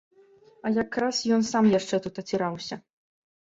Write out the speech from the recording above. А якраз ён сам яшчэ тут аціраўся.